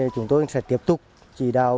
chúng tôi sẽ tiếp tục chỉ đạo